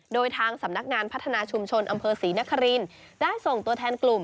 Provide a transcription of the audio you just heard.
โดยทางสำนักงานพัฒนาชุมชนอำเภอศรีนครินได้ส่งตัวแทนกลุ่ม